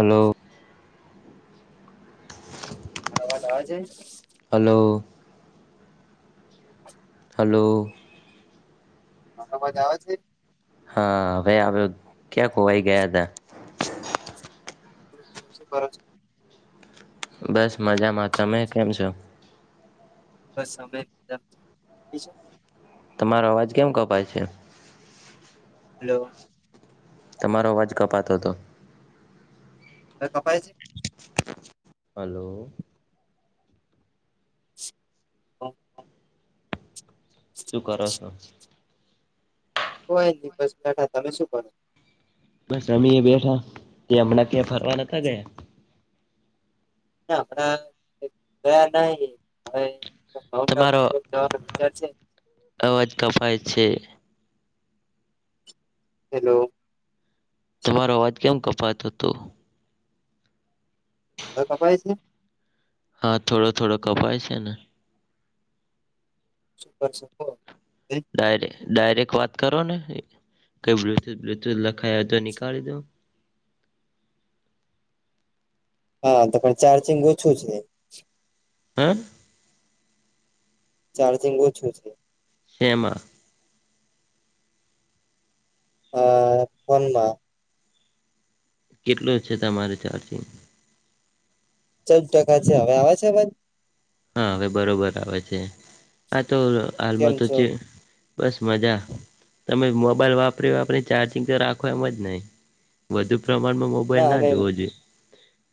મારો અવાજ આવે છે? હલો. હલો. અવાજ આવે છે. હા હવે આવ્યો ક્યાં ખોવાઈ ગયા હતા? શું કરો છો? બસ મજામાં તમે કેમ છો? બસ અમે મજામાં [inaudible] તમારો અવાજ કેમ કપાય છે? હલો. તમારો અવાજ કપાતો હતો. હવે કપાય છે? હલો. [unintelligible] શું કરો છો? કોઈ નઈ બસ બેઠા તમે શું કરો? બસ અમી એ બેઠા તે હમણાં ક્યાં ફરવા નતા ગયા? ના હમણાં ગયા નહીં હવે માઉન્ટ આબુ તમારો તરફ જવાનો વિચાર છે અવાજ કપાય છે. હેલો. તમારો અવાજ કેમ કપાતો હતો? હવે કપાય છે? હા થોડો થોડો કપાય છે ને. [inaudible] ડાયરે ડાયરેક્ટ વાત કરો ને કઈ બ્લુટૂથ બ્લુટૂથ લખાય હોય તો નીકાળી દો. હા તો પણ ચાર્જિંગ ઓછું છે. હા ચાર્જિંગ ઓછું છે. હેમા? આ ફોનમાં. કેટલું છે તમારે ચાર્જિંગ? ચૌદ ટકા છે હવે આવે છે અવાજ? હા હવે બરોબર આવે છે આ તો કેમ આલમાં તો છો જે બસ મજા તમે મોબાઈલ વાપરી વાપરી ચાર્જિંગ તો રાખો એમ જ નહી. વધુ પ્રમાણમાં મોબાઈલ ના જોવો જોઈએ.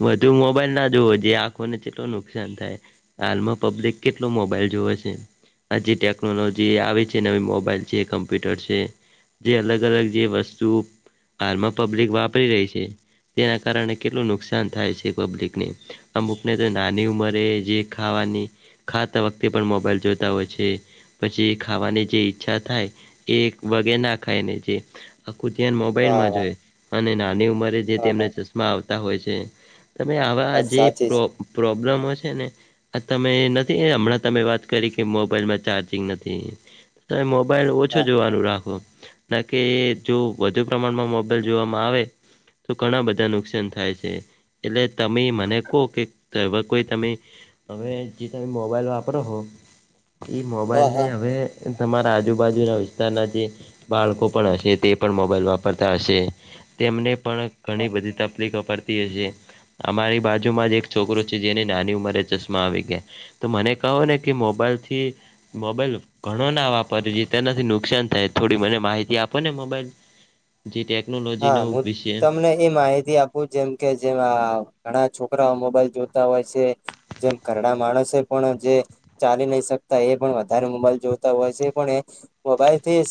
વધુ મોબાઈલ ના જોવો જોઈ આંખોને ચેટલું નુકસાન થાય. હાલમાં પબ્લિક કેટલો મોબાઈલ જોવે છે. આ જે ટેકનોલોજી આવી છે, નવી મોબાઈલ છે, કમ્પ્યુટર છે. જે અલગ અલગ જે વસ્તુ હાલમાં પબ્લિક વાપરી રહી છે. તેના કારણે કેટલું નુકસાન થાય છે પબ્લિકને અમુકને તો નાની ઉંમરે જે ખાવાની ખાતા વખતે પણ મોબાઈલ જોતા હોય છે. પછી ખાવાની જે ઈચ્છા થાય એ વગે ના ખાય ને જે આખું ધ્યાન હા મોબાઈલમાં હા જોય અને નાની ઉંમરે જે હા તેમને હા ચશ્મા આવતા હોય છે. તમે આવા વાત જે સાચી પ્રો છે પ્રોબ્લમો છે ને આ તમે નથી એ હમણાં તમે વાત કરી કે મોબાઈલમાં ચાર્જિંગ નથી તમે મો મોબાઈલ ઓછો હા જોવાનું રાખો ના કે જો વધુ પ્રમાણમાં મોબાઈલ જોવામાં આવે. તો ઘણા બધા નુકસાન થાય છે એટલે તમે મને કહો કે કોઈ તમે. હવે જે તમે મોબાઈલ વાપરો હો એ હા મોબાઈલને હા હવે. તમારા આજુબાજુ ના વિસ્તારના જે. બાળકો પણ હશે તે પણ મોબાઈલ વાપરતા હશે. તેમને પણ ઘણી બધી તકલીફ અપડતી અમારી બાજુમાં જ એક છોકરો છે જેને નાની ઉંમરે ચશમા મા આવી ગયા તો મને કહો ને કે મોબાઈલ થી મોબાઈલ ઘણો ના વાપરેવો તેનાથી નુકસાન થાય થોડી મને માહિતી આપો ને મોબાઈલ [inaudible] જે ટેક્નોલોજી હા હું તમને એ માહિતી આપું જેમ કે જેમ ઘણા છોકરા મોબાઈલ જોતા હોય છે જેમ ઘરડા માણસે પણ જે ચાલી નહી શકતા એ પણ વધારે મોબાઈલ જોતા હોય છે પણ એ મોબાઈલ થી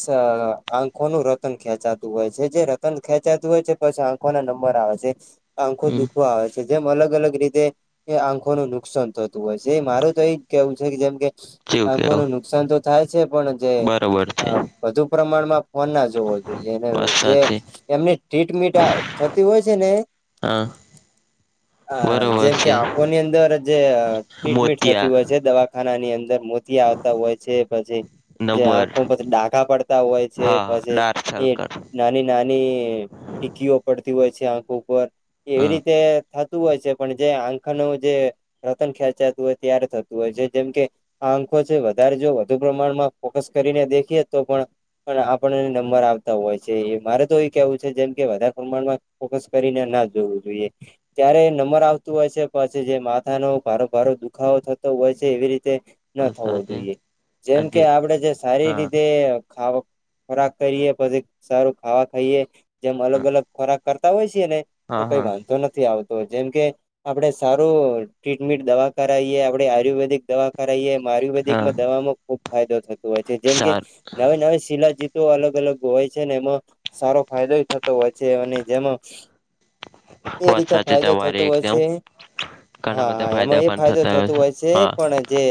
આંખોનું રતન ખેંચાતું હોય છે જે ર પણ ખેંચાતું હોય છે પછી આંખો ના નંબર આવે છે આંખો હમ દુખો આવે છે જેમ અલગ અલગ રીતે એ આંખો ન નુકસાન થતું હોય છે એ મારું તો એજ કેવું છે કે જેમ કે જેવું આંખો ન કેવો નુકસાન તો થાય છે પણ જે બરોબર છે વધુ પ્રમાણમાં ફોન ના જોવો જોઈએ અને વાત જે સાચી એમને ટીટ મીટ થતી હોય છે ને હા અ બરોબર જેમ કે છે આંખોની અંદર જે ટ્રીટમેન્ટ થતી હોય મોતિયા છે દવા દવાખાના ની અંદર મોતીયા આવતા હોય છે પછી જે નંબર આંખો પછી ડાગા પડતા હોય છે હા પછી ડાર્ક એ સર્કલ નાની નાની ટીકીઓ પડતી હોય છે આંખો ઉપર એવી હા રીતે હોય છે પણ જે આંખાનું જે રતન ખેચાતું હોય છે ત્યારે થતું હોય છે જેમ કે આ અંકો છે વધારે જો વધુ પ્રમાણમાં ફોકસ કરીને દેખીએ તો પણ પણ આપણને નંબર આવતા હોય છે મારે તો એ કેવું છે જેમ કે વધારે પ્રમાણમાં ફોકસ કરીને ના જોવું જોઈએ ત્યારે નમર આવતું હોય છે પછી જે માથાનો ભારો ભારો દુખાવો થતો હોય છે એવી રીતે ન થવો વરસાદે જોઈએ જેમ કે આજે આપણેે જે સારી હા રીતે ખ ખોરાક કરીએ પછી સારું ખાવા ખાઈએ જેમ અલગ હા અલગ ખોરાક કરતા હોય છે ને તો હા કઈ હા વાંધો નથી આવતો તો જેમકે આપડણે સારું ટ્રીટમેટ દવા કરાવીએ આપડે આયુર્વેદિક દવા એમાં હા આયુર્વેદિકમાં દવામાં ખુબ ફાયદો થતો હોય છે જેમ કે સારું નવી નવી શિલા જીત અલગ અલગ હોય છે ને એમાં સારો ફાયદો થતો હોય છે અને જેમાં એ રીતે વરસાદે ફાયદો તમારે થતો હોય એકદમ છે ઘણા હા બધા હા એમાં ફાયદા એ પણ ફાયદો થતા થતો હોય છે હા પણ જે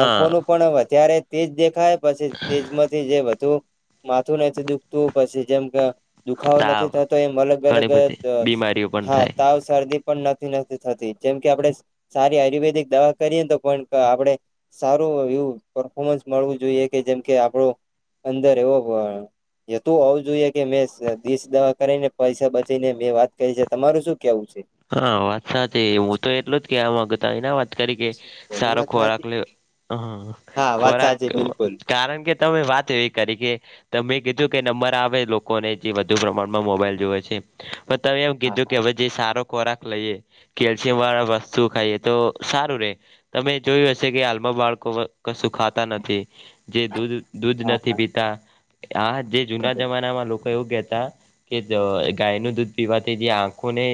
આંખો નું પણ વધારે તેજ દેખાય પછી તેજમાંથી જે બધુ માથું નથી દુખતું પછી જેમ કે દુખાવો તાવ નથી થતો એમ અલગ અલગ ઘણી બધી બીમારીઓ પણ હા થાય તાવ શરદી પણ નથી નથી થતી જેમ કે આપડણે સારી આયુર્વેદિક દવા કરીએ તો પણ આપણે સારું એવું પરફોર્મન્સ મળવું જોઈએ કે જેમ કે આપણો અંદર એવો એ તો હોવું જોઈએ કે મેં દીશ દવા કરીને પૈસા બચીને મેં વાત કરી છે તમારું શું કેવું છે હા વાત સાચી હું તો એટલું જ કેવા માંગતો વાત કે બધું સારો વાત સાચી ખોરાક લે હ હા વાત ખોરાક સાચી બિલકુલ કારણ કે તમે વાત એવી કરી કે તમેં કીધું કે નંબર આવે લોકોને જે વધુ પ્રમાણમાં મોબાઈલ જોવે છે. પણ તમે એમ હા કીધું કે હા હવે જે સારો ખોરાક લઈએ કેલ્શિયમ વાળા વસ્તુ ખાઈએ તો સારું રે. તમે જોયું હશે કે હાલમાં બાળકો કશું ખાતા નથી જે દૂધ દૂધ હા નથી હા પીતા આ જે જુના બરોબર જમાનામાં લોકો એવું કેતા કે ગાય નું દૂધ પીવાથી જે આંખો ને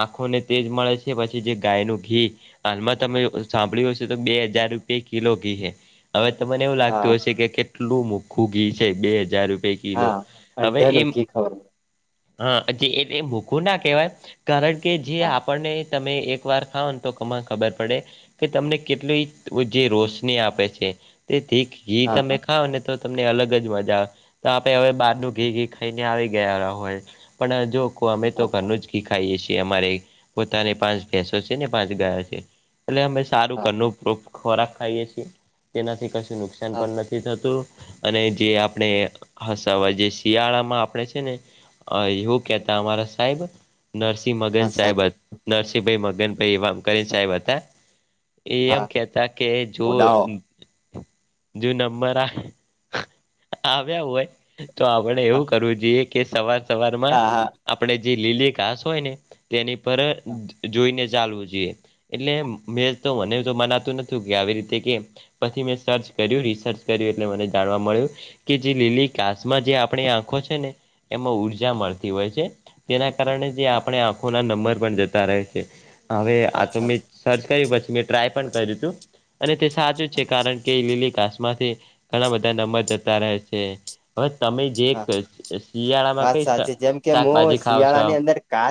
આંખોને તેજ મળે છે પછી જે ગાયનું ઘી હાલમાં તમે સાંભળ્યું હશે તો બે હજાર રૂપિયા કિલો ઘી છે. હવે તમને એવું હા લાગતું હશે કે કેટલું મોખું ઘી છે બે હજાર રૂપિયા કિલો હા તમે અંઢાનું એમ ઘી ખવડાવે હા એટલે મોંઘુ ના કહેવાય કારણ કે જે હા આપણને તમે એક વાર ખાવ ને તો [unintelligible] ખબર પડે કે તમને કેટલી જે રોશની આપે છે તે ઘી હા તમે હા ખાવને તો તમને અલગ જ મજા આવે તો આપડે હવે બહારનું ઘી ઘી ખાઈને આવી ગયા હોય પણ જો કો અમે તો હા ઘરનું જ ઘી ખાઈએ છીએ અમારે પોતાને પાંચ ભેંસો છે ને પાંચ ગાયો છે. એટલે અમે સારું હા ઘરનું ખોરાક ખાઈએ છીએ તેનાથી કશું નુકસાન હા પણ નથી થતું અને જે આપણે હસાવા જે શિયાળામાં આપણે છે ને અ એહું કેતા અમારા સાહેબ નરસિંહ મગન હા સાહેબ સાચું નરસિંહભાઈ મગનભાઈ એવા કરીને સાહેબ હતા. એ એમ હા કેતા કે જો ઓડાઓ જો નંબર આ આવ્યા હોય તો આપણે હા એવું કરવું જોઈએ કે સવાર સવારમાં હા હા આપણે જે લીલી ઘાસ હોય ને તેની પર જોઈને ચાલવું જોઈએ. એટલે મેં તો મને તો મનાતું નતું કે આવી રીતે કેમ પછી મેં સર્ચ કર્યું રિસર્ચ કર્યું એટલે મને જાણવા મળ્યું કે જે લીલી ઘાસમાં જે આપણી આંખો છે ને એમાં ઊર્જા મળતી હોય છે. તેના કારણે જે હા આપણે આંખો ના નંબર પણ જતા રહે છે હવે આ વાત તો મે સાચી સર્ચ કર્યું પછી મેં ટ્રાય પણ કર્યું હતું અને તે સાચું છે કારણ કે લીલી ઘાસમાંથી ઘણા બધા નબર જતા રહે છે. હવે તમે જે હા શિયાળામાં વાત કઈ શાકભાજી ખાવ છો કા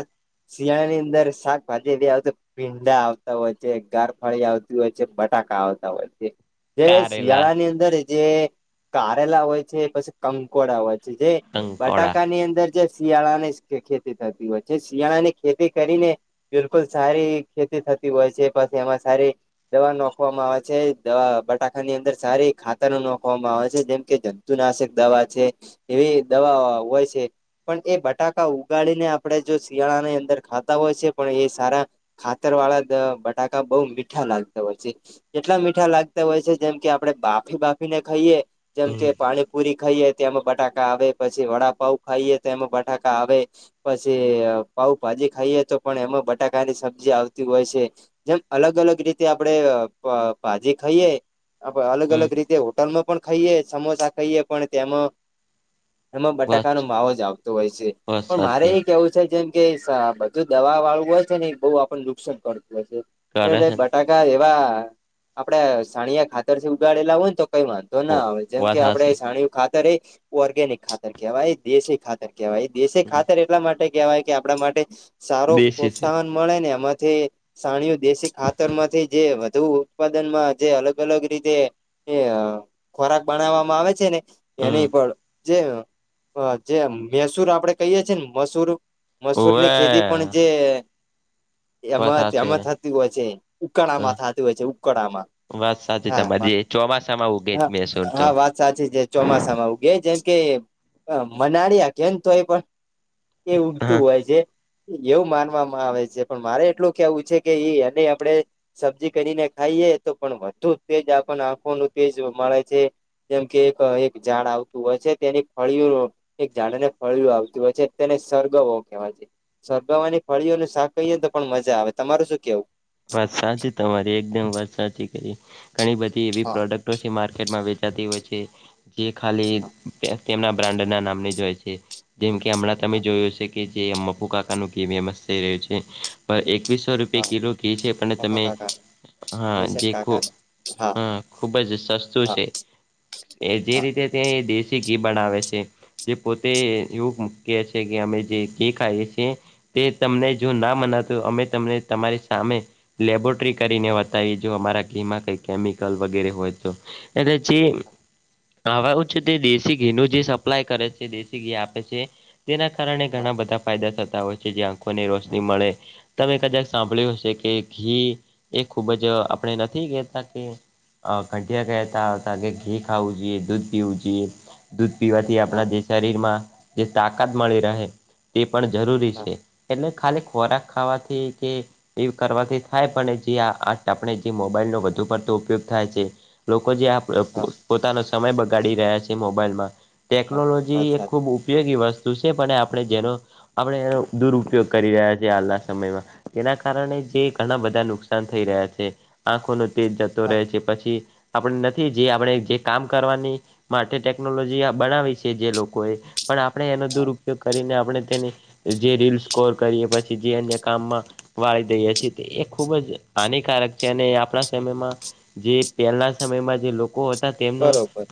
શિયાળા ની અંદર શાકભાજી એવી આવેતો ભીંડા આવતા હોય છે ગારફળી આવતી હોય છે બટાકા આવતા હોય છે જે કારેલા શિયાળા ની અંદર જે કારેલા હોય છે પછી કંકોળા હોય છે જે કંકોડા બટાકા ની અંદર જે શિયાળા ની ખેતી થતી હોય છે શિયાળા ની ખેતી કરીને બિલકુલ સારી ખેતી થતી હોય છે પછી એમાં સારી દવા નોખવામાં આવે છે દવા બટાકા ની અંદર સારી ખાતર ન નોખવામાં આવે છે જેમ કે જં તુનાશક દવા છે એવી દવા હોય છે પણ એ બટાકા ઉગાડીને આપણે જો શિયાળા ની અંદર ખાતા હોય છે પણ એ સારા ખાતર વાળા બટાકા બોઉ મીઠા લાગતા હોય છે એટલા મીઠા લાગતા હોય છે જેમ કે આપણે બાફી બાફીને ખઈએ જેમ કે હમ પાણીપુરી ખઈએ તેમાં બટાકા આવે પછી વડાપઉ ખાઈએ તોમાં બટાકા આવે પછી પાઉ ભાજી ખાઈએ તો પણ એમાં બટાકાની સબ્જી આવતી હોય છે. જેમ અલગ અલગ રીતે આપડે ભાજી ખઈએ આપ અલગ હમ અલગ રીતે હોટલમાં પણ ખઈએે સમોસા ખઈએ પણ તેમાં એમાં બસ બટાકાનો માવો જ આવતો હોય છે બસ પણ મારે સાચી એજ કેવું છે જેમ કે બધું દવા વાળું હોય છે ને એ બો આપણને નુકસાન કરતું હોય છે. કરે એ છે બટાકા એવા આપડે સાણિયા ખાતરથી ઉગાડેલા હોય ને તો કઈ વાં ધો ના ને આવે જેમ કે વાત આપડે હાચી સાણીયું ખાતર એ ઓર્ગેનિક ખાતર કેવા દેશી ખાત તર કેવાય દેશી ખાતર એટલા માટે કહેવાય કે આપડા માટે સારો દેશી છે પ્રોત્સાહન મળે ન એમાંથી સાણીયુ દેશી ખાતર માંથી જે વધુ ઉત્પાદનમાં જે અલગ અલગ રીતે એ ખોરાક બનાવામાં આવે છે ને હમ એની પણ જે જે મૈસૂર આપડે કહીય છીએ ને મસૂર મસૂર ની હોવે ખેતી પણ જે વાત એમાં એમ હાચી થતી હોય છે ઉકાળામાં થાતી હોય છે ઉકડામાં વાત સાચી તમારિ ચોમાસામાં ઉગે મેસૂર તો સાચે છે ચોમાસામાં ઉગે જેમ કે મનાળિયા કે તો એ પણ એ ઉગતું હા હોય છે. એવું માનવામાં આવે છે પણ મારે એટલું કેવું છે કે એ એને આપડે સબ્જી કરીને ખાઈએ તો પણ વધુ તેજ આપને આંખો નું તેજ મળે છે. જેમ કે એક એક ઝાડ આવતું હોય છે તેની ફળિયો એક ઝાડ ને ફળીયું આવતી હોય છે તેને સરગવો કહેવાય છે. શરગવાની ફળીઓનું શાક ખઇએ ને તો પણ મજા આવે તમારું શું કેવું? વાત સાચ તમાંરી એકદમ વાત સાચી કરી ઘણી બધી એવી હા પ્રોડક્ ક્ટો માર્કેટમાં વેચાતી હોય છે. જે ખાલી હા તેમના બ્રાન્ડના નામની જ હોય છે. જેમ કે હમણાં તમે હા જોયો છે કે જે મકુ કાકાનું [unintelligible] ફેમસ થઈ રહ્યું છે. પણ એકવીસો રૂપિયાે હા કિલો ઘી છે પણ મફા તમે કાકા હા વૈશન જે ખુ કાકા હા હ ખુબ જ સસ્તું હા છે. એ જે હા રીતે ત્યાં એ દેશી ઘી બનાવે છે જે પોતે એવું મૂ કે છે કે અમે જે ઘી ખાઈએ છીએ તે તમને જો ના મનાતું અમે તમને તમારી સામે લેબોરેટરી કરીને વાતાઈ જો અમારા ઘીમાં કઈ કેમિકલ વગેરે હોય તો એટલે ચી હવે હું છે તે દેશી ઘી નું જે સપ્લાય કરે છે દેશી ઘી આપે છે તેના કારણે હા ઘણા બધા ફાયદા થતા હોય છે જે આંખોને રોશની મળે તમે કદાચ સાંભળ્યું કે ઘી એ ખુબ જ આપણે નથી કહેતા કે અ ઘંટિયા કહેતા હતા કેે ઘી ખાઉ જોઈ એ દૂધ પીવ જોઈએ દૂધ પીવાથી હા હા આપડા જે શરીરમાં જે તાકાત મળી રહે તે પણ જરૂરી છે એટલે ખાલી ખોરાક ખાવાથી કે એ કરવાથી થાય પણ જે આ આર્ટ આપણે જે મોબાઈલનો વધુ પડતો ઉપયોગ થાય છે લોકો જે આપ હા [unintelligible] પોતાનો સમય બગાડી રહ્યા છે મોબાઈલમાં ટેકનોલોજી હા એક ખુબ ઉપયોગી વસ્ તું છે પણ આપડે જેનો આપણે એનો દુરપયોગ કરી રહ્યા છીએ હાલના સમયમાં તેના કારણે જે ઘણા બધા નુકસાન થઈ રહ્યા છે આંખોનો તેજ જતો હા રહે છે પછી આપણે નથી જે આપડે જે કામ કરવાની માટે ટેકનોલોજી બનાવી છે જે લોકોએ પણ આપણે એનો હા દુરપયોગ કરીને આપણે તેની જે રીલ સ્કોર કરીએ પછી જે અન્ય કામમાં વાળી દઈએ છીએ એ ખુબ જ હાનિકારક છે અને આપણા સમયમાં જે પહેલા સમયમાં જે લોક કો હતા તેમનું બરોબર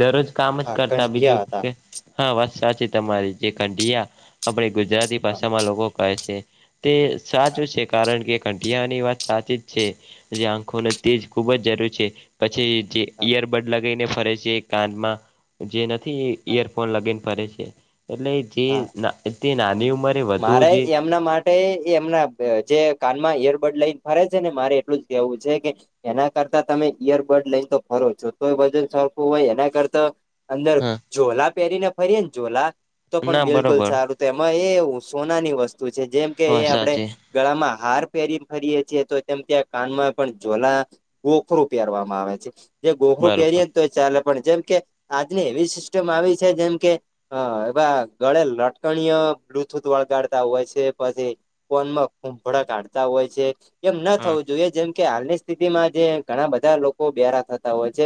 દરરોજ કામ જ હા કરતા બીજું કંઢિયા હતા કે હા વાત સાચી તમારી જે ખડિયા આપણે ગુજરાતી હા ભાષામાં લોકો કહે છે. તે સાચું છે કારણ કે કઢીયાની વાત સાચી જ છે જે આંખોને તેજ ખુબ જ જરૂરી છે પછી જે હા ઈયરબડ લગાઈ ને ફરે છે કાનમાં જે નથી હા ઈયરફોન લગઈન ફરે છે એટલે જે હા ના નાની ઉંમર મારે એમના માટ તે એમના જે કાનમાં એરબડ લઈને ફરે છે ને મારે એટલું જ કેવું છે કે એના કરતા તમે ઈયરબડ લઈને તો ફરો જોતોય વજન સરખુ હોય એના કરતા અંદર હા ઝોલા પહેરીને ફરીએ ને ઝોલા તો પણ ના બિલકુલ બરોબર સારું તો એમાં એવું સોનાની વસ્તુ છે જેમ કે હા એ આપડે સાચી ગળામાં હાર પહેરી ફરીએ છેએ તો તેમ ત્યાં કાનમાં પણ ઝોલા ગોખરું પહેરવામાં આવે છે જે ગોખરું બરોબર પહેરીએ તો ચાલે પણ જેમ કે આજની એવી સિસ્ટમ આવી છે જેમ કે હા એવે ગળે લટકણીય છૂત વળગાડતા હોય છે પછી ફોનમાં કૂભળ કાઢતા હોય છે. એમ ન હમ થવું જોઈએ જેમ કે હાલની સ્થિતિમાં જે ઘણા બધા લોકો બેરા થતા હોય છે.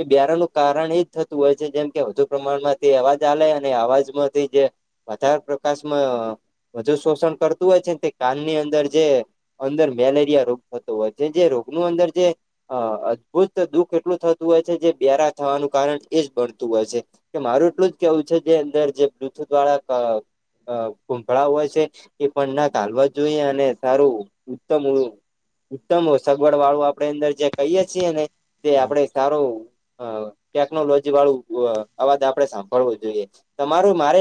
એ બ્યારાનું કારણ એજ થતું હોય છે જેમ કે વધુ પ્રમાણમાંથી અવાજ આવેલે અને અવાજમાંથી જે વધારે પ્રકાશમાં વધુ શોષણ કરતું હોય છે તે કાનની અંદર જે અંદર મેલેરિયા રોગ થતો હોય છે જે રોગનું અંદર જે હા અદભુત દુઃખ એટલું થતું હોય છે જે બ્યારા થવાનું કારણ એજ ભણતું હોય છે. કે મારું એટલું જ કેવું છે જે અંદર જે બ્લુથુથ વાળા અ કૂભળા હોય છે એ પણ ના ગાલવા જોઈએ અને સારું ઉત્તમ ઉત્તમ હો સગવડ વાળું આપે અંદર જે કહીએ છીએ ને તે હમ આપડે સારો અ ટેકનોલોજી વાળું અ અવાજ આપડે સાંભળવો જોઈએ તમારું મારે